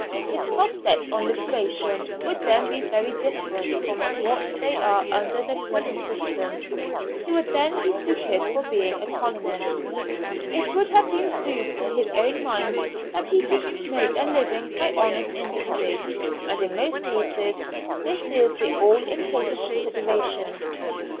His prospects on liberation would then be very different from what they are under the present system. He would then be suited for being a colonist. It would have been proved to his own mind that he could make a living by honest industry, and in most cases this is the all important consideration.